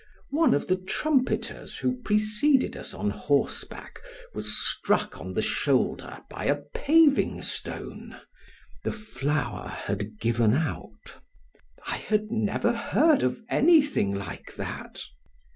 One of the trumpeters who preceded us on horseback was struck on the shoulder by a paving stone; the flour had given out. I had never heard of anything like that.